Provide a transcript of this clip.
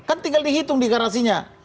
kan tinggal dihitung di garasinya